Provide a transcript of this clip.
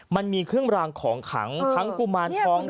มันมีเครื่องรางของขังทั้งกุมารทอง